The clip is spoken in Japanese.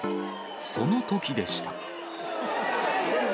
そのときでした。